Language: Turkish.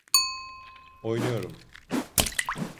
Oynuyorum.